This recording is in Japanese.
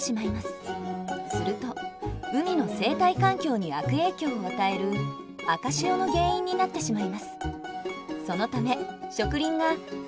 すると海の生態環境に悪影響を与える赤潮の原因になってしまいます。